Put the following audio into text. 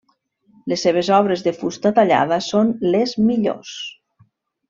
Les seves obres de fusta tallada són les millors.